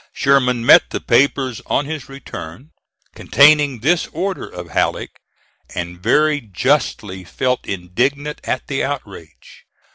Sherman met the papers on his return, containing this order of Halleck, and very justly felt indignant at the outrage.